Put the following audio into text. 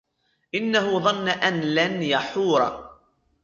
إِنَّهُ ظَنَّ أَنْ لَنْ يَحُورَ